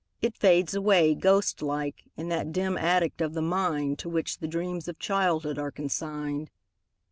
It fades away. Ghost like, in that dim attic of the mind To which the dreams of childhood are consigned.